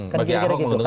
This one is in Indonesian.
bagi ahok menguntungkan ya